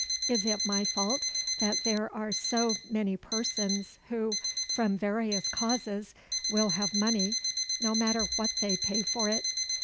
Is it my fault that there are so many persons who, from various causes, will have money, no matter what they pay for it?